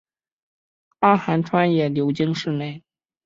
阿寒川也流经市内。